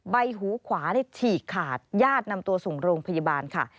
ใบหูขวาฉีกขาดญาตินำตัวส่งโรงพยาบาลค่ะ